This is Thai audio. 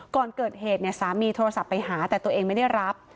ก่อนเกิดเหตุเนี่ยสามีโทรศัพท์ไปหาแต่ตัวเองไม่ได้รับ